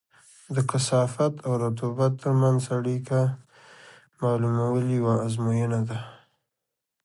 د کثافت او رطوبت ترمنځ اړیکه معلومول یوه ازموینه ده